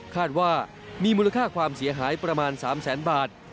คาดว่ามีมูลค่าความเสียหายประมาณ๓แสนบาท